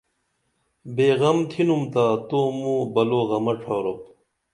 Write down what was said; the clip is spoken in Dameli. بے غم تِھنم تا تو موں بلو غمہ ڇھاروپ